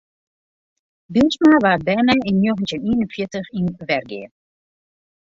Bylsma waard berne yn njoggentjin ien en fjirtich yn Wergea.